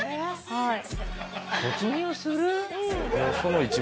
はい。